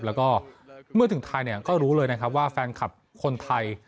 แล้วก็เมื่อถึงไทยก็รู้เลยนะครับว่าแฟนคลับคนไทย